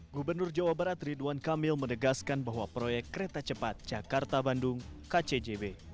gubernur jawa barat ridwan kamil menegaskan bahwa proyek kereta cepat jakarta bandung kcjb